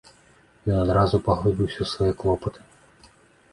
Ён адразу паглыбіўся ў свае клопаты.